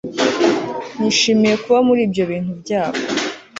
nishimiye kuba muri ibyo bintu byabo